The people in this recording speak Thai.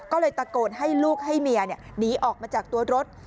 ก็เลยตะโกนให้ลูกให้เมียหนีออกมาจากตัวรถ